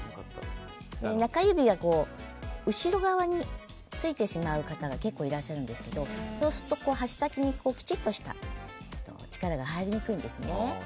中指が後ろ側についてしまう方が結構いらっしゃるんですけどそうすると箸先にきちんとした力が入りにくいんですね。